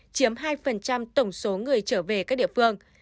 chiếm hai tổng số người trở về các địa phương